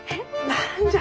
何じゃ？